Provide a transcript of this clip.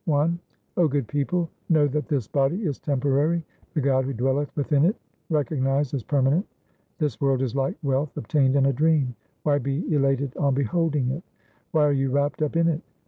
4io THE SIKH RELIGION Basant I O good people, know that this body is temporary ; The God who dwelleth within it recognize as permanent. This world is like wealth obtained in a dream ; why be elated on beholding it ? Why are you wrapped up in it